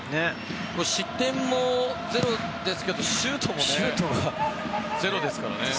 失点も、ゼロですけどシュートもゼロですからね。